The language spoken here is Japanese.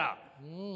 うん。